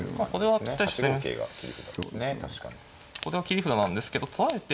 これは切り札なんですけど取られて。